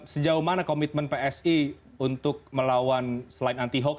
sejauh mana komitmen psi untuk melawan selain anti hoax